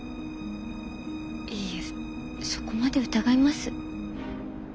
いやそこまで疑います？